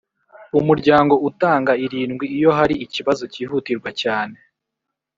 Umuryango utanga irindwi iyo hari ikibazo cyihutirwa cyane.